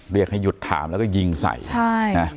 เรียกให้หยุดถามแล้วก็ยิงใส่ใช่นะ